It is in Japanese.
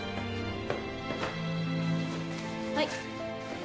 はい。